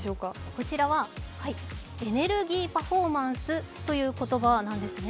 こちらは、エネルギーパフォーマンスという言葉なんですね。